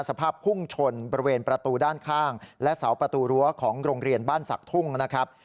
สภาพพุ่งชนบริเวณประตูด้านข้างและเสาประตูรั้วของโรงเรียนบ้านศักดิ์ทุ่งนะครับ